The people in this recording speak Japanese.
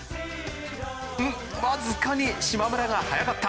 わずかに島村が速かった。